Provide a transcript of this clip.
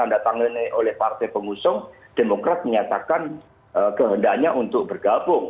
pada saat itu karena setelah ditandatangani oleh partai pengusung demokrat menyatakan kehendaknya untuk bergabung